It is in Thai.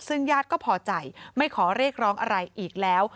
ซึ่งญาติก็พอใจไม่ขอเรียกร้องอะไรอีกแล้ว